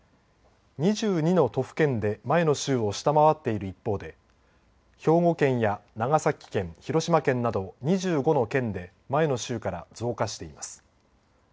２２の都府県で前の週を下回っている一方で兵庫県や長崎県広島県など２５の県で前の週から増加しています。